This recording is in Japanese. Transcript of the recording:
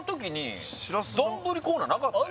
どんぶりコーナーなかったよ